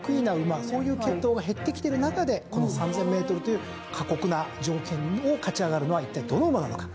そういう血統が減ってきてる中でこの３，０００ｍという過酷な条件を勝ち上がるのはいったいどの馬なのか。